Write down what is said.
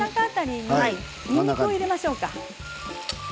にんにくを入れましょうか。